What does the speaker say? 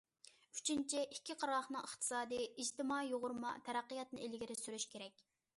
ئۈچىنچى، ئىككى قىرغاقنىڭ ئىقتىسادىي، ئىجتىمائىي يۇغۇرما تەرەققىياتىنى ئىلگىرى سۈرۈش كېرەك.